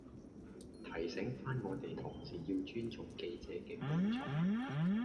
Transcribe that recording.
提醒番我哋同事要尊重記者嘅工作